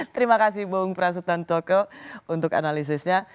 terima kasih bu presiden toko untuk analisisnya